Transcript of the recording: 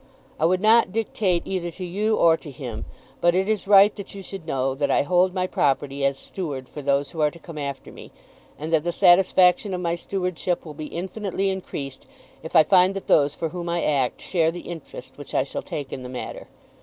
"I would not dictate either to you or to him, but it is right that you should know that I hold my property as steward for those who are to come after me, and that the satisfaction of my stewardship will be infinitely increased if I find that those for whom I act share the interest which I shall take in the matter.